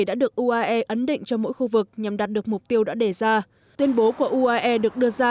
đã được uae ấn định cho mỗi khu vực nhằm đạt được mục tiêu đã đề ra tuyên bố của uae được đưa ra